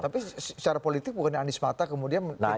tapi secara politik bukan anies marta kemudian tidak mendapatkan